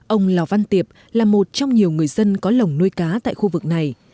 ông lò văn tiệp là một trong nhiều người dân có lồng nuôi cá tại khu vực này